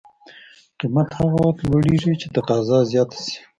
قیمت هغه وخت لوړېږي چې تقاضا زیاته شي.